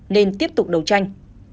nên tiếp tục đấu tranh